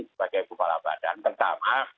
sebagai bupala badan pertama